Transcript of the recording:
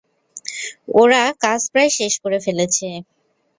ওরা কাজ প্রায় শেষ করে ফেলেছে।